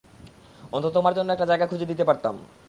অন্তত তোমার জন্য একটা জায়গা খুজে দিতে পারতাম!